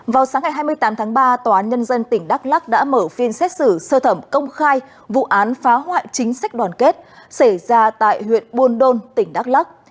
vào sáng ngày hai mươi tám tháng ba tòa án nhân dân tỉnh đắk lắc đã mở phiên xét xử sơ thẩm công khai vụ án phá hoại chính sách đoàn kết xảy ra tại huyện buôn đôn tỉnh đắk lắc